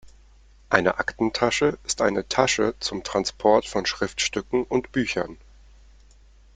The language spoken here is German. Eine Aktentasche ist eine Tasche zum Transport von Schriftstücken und Büchern.